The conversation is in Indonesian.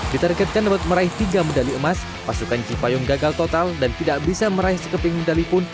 ditargetkan dapat meraih tiga medali emas pasukan cipayung gagal total dan tidak bisa meraih sekeping medali pun